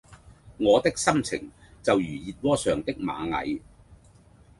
我的心情就如熱窩上的螞蟻